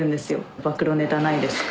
暴露ネタないですか？